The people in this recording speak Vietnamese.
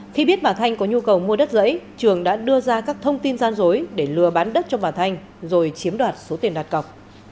khi biết bà thanh có nhu cầu mua đất giấy trường đã đưa ra các thông tin gian dối để lừa bán đất cho bà thanh rồi chiếm đoạt số tiền đạt cọc